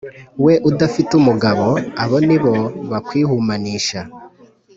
we udafite umugabo abo ni bo bakwihumanisha